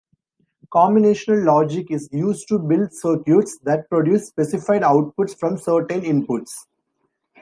Combinational logic is used to build circuits that produce specified outputs from certain inputs.